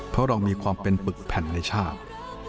เพราะเรามีความเป็นปึกแผ่นในชาติ